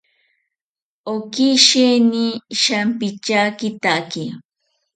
Oki sheeni shampityakitaki